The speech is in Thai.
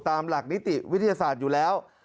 ตามหลักนิติวิทยาศาสตร์อยู่แล้ว